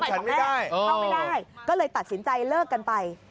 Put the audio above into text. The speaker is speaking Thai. เข้าไม่ได้ก็เลยตัดสินใจเลิกกันไป